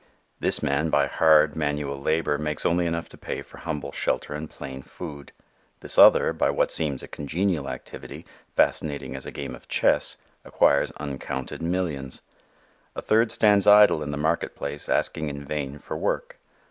This man by hard, manual labor makes only enough to pay for humble shelter and plain food. This other by what seems a congenial activity, fascinating as a game of chess, acquires uncounted millions. A third stands idle in the market place asking in vain for work.